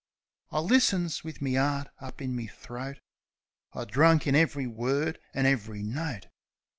I listens wiv me 'eart up in me throat; I drunk in ev'ry word an' ev'ry note.